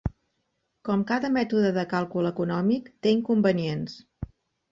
Com cada mètode de càlcul econòmic té inconvenients.